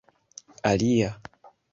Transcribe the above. alia